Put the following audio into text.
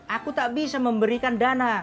aku tak bisa memberikan dana